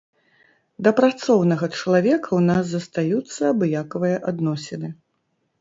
Да працоўнага чалавека ў нас застаюцца абыякавыя адносіны.